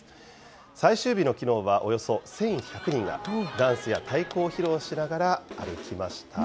最終日のきのうはおよそ１１００人がダンスや太鼓を披露しながら、歩きました。